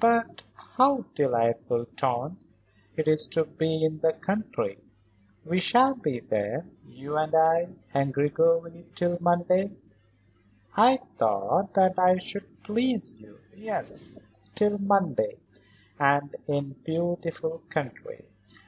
"But how delightful, Tante. It is to be in the country? We shall be there, you and I and Gregory, till Monday?" "I thought that I should please you. Yes; till Monday. And in beautiful country.